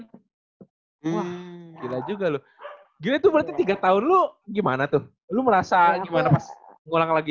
wah gila juga lu gila tuh berarti tiga tahun lu gimana tuh lu merasa gimana pas ulang lagi